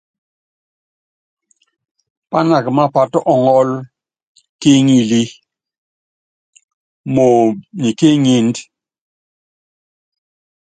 Pánaka mápát ɔŋɔ́l ki iŋilí moomb ki ŋínd.